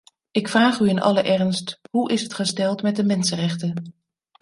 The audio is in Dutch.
Ik vraag u in alle ernst: hoe is het gesteld met de mensenrechten?